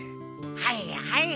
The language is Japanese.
はいはい。